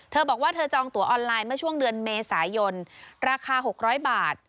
เธอบอกว่าเธอจองตัวออนไลน์เมื่อช่วงเดือนเมษายนราคา๖๐๐บาท